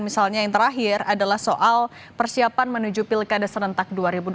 misalnya yang terakhir adalah soal persiapan menuju pilkada serentak dua ribu dua puluh